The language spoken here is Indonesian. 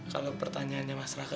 kalau pertanyaannya mas raka